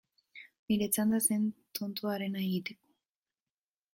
Nire txanda zen tontoarena egiteko.